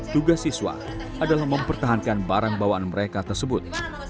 tugas siswa adalah mempertahankan barang bawaan mereka tersebut